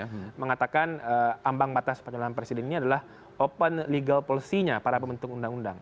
yang mengatakan ambang batas pencalonan presiden ini adalah open legal policy nya para pembentuk undang undang